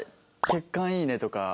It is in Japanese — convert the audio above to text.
血管いいね」とか。